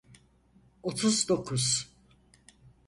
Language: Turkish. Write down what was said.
Otuz dokuz.